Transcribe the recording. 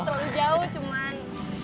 gak terlalu jauh cuman